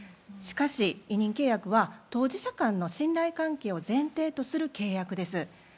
しかし委任契約は当事者間の信頼関係を前提とする契約です。